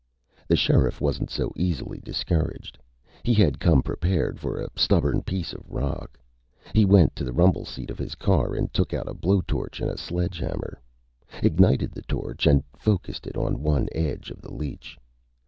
The sheriff wasn't so easily discouraged. He had come prepared for a stubborn piece of rock. He went to the rumble seat of his car and took out a blowtorch and a sledgehammer, ignited the torch and focused it on one edge of the leech.